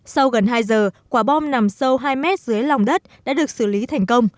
sau gần hai giờ quả bom nằm sâu hai mét dưới lòng đất đã được xử lý thành công